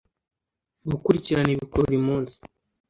Gukurikirana bikorwa burimunsi.